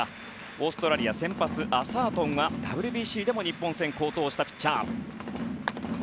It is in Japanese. オーストラリア先発のアサートンはＷＢＣでも日本戦で好投したピッチャー。